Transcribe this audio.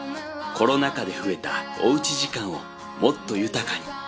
コロナ禍で増えたおうち時間をもっと豊かに。